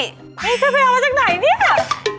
นี่จะไปเอามาจากไหนนี่ครับ